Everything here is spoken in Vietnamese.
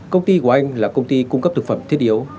công ty của anh là công ty cung cấp thực phẩm thiết yếu